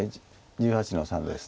１８の三です。